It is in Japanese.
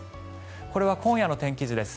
これは今夜の天気図です。